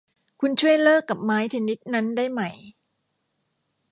คุณช่วยเลิกกับไม้เทนนิสนั้นได้ไหม !